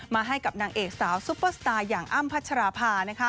ให้กับนางเอกสาวซุปเปอร์สตาร์อย่างอ้ำพัชราภา